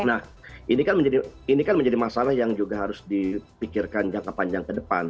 nah ini kan menjadi masalah yang juga harus dipikirkan jangka panjang ke depan